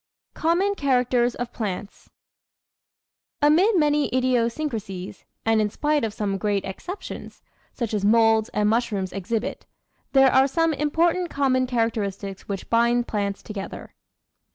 Common Characters of Plants Amid many idiosyncrasies, and in spite of some great ex ceptions, such as moulds and mushrooms exhibit, there are some important common characters which bind plants together.